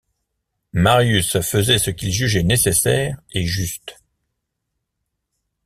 Marius faisait ce qu’il jugeait nécessaire et juste.